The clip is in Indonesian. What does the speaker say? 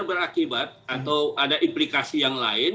berakibat atau ada implikasi yang lain